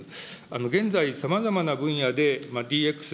現在、さまざまな分野でＤＸ